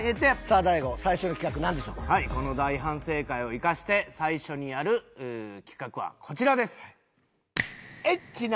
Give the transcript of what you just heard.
この大反省会を生かして最初にやる企画はこちらです。